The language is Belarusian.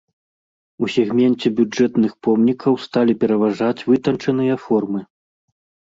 У сегменце бюджэтных помнікаў сталі пераважаць вытанчаныя формы.